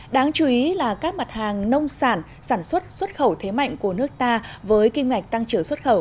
đáng chú ý là các mặt hàng nông sản sản xuất xuất khẩu thế mạnh của nước ta với kim ngạch tăng trưởng xuất khẩu